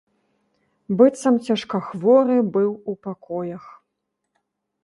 Быццам цяжкахворы быў у пакоях.